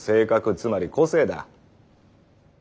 つまり個性だ。